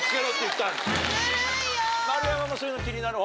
丸山もそういうの気になるほう？